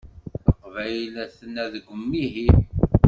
Leqbayel aten-a deg umihi.